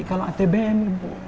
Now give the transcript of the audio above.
kalau atbm itu